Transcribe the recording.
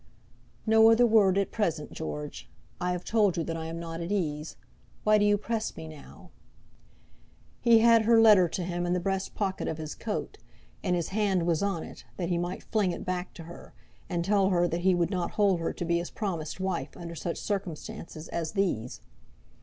"No other word, at present, George; I have told you that I am not at ease. Why do you press me now?" He had her letter to him in the breast pocket of his coat, and his hand was on it, that he might fling it back to her, and tell her that he would not hold her to be his promised wife under such circumstances as these.